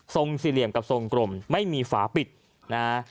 สี่เหลี่ยมกับทรงกลมไม่มีฝาปิดนะฮะ